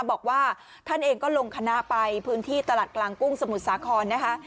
บอกว่าท่านเองก็ลงคณะไปพื้นที่ตลาดกลางกุ้งสมุทรสาครนะคะ